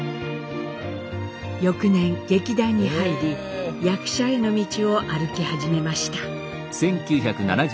翌年劇団に入り役者への道を歩き始めました。